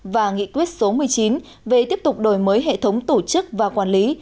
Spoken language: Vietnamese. và nghị quyết số một mươi chín về tiếp tục đổi mới hệ thống tổ chức và quản lý